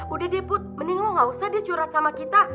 udah deh put mending lo gak usah dicurat sama kita